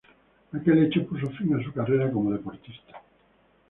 Aquel hecho puso fin a su carrera como deportista.